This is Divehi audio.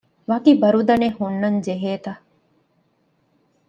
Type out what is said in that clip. ވަކި ބަރުދަނެއް ހުންނަންޖެހޭތަ؟